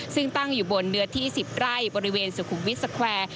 ซึ่งตั้งอยู่บนเนื้อที่๑๐ไร่บริเวณสุขุมวิทย์สแควร์